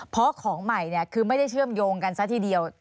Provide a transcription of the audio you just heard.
เพราะของใหม่คือไม่ได้เชื่อมโยงกันซะทีเดียว